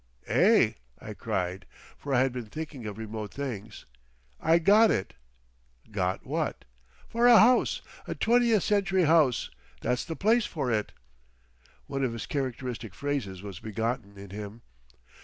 "Eh!" I cried—for I had been thinking of remote things. "I got it." "Got what?" "For a house!—a Twentieth Century house! That's the place for it!" One of his characteristic phrases was begotten in him.